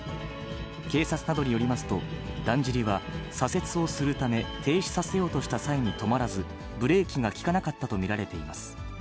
警察などによりますと、だんじりは左折をするため、停止させようとした際に止まらず、ブレーキが利かなかったと見られています。